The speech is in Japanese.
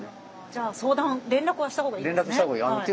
じゃあ相談連絡はしたほうがいいんですね。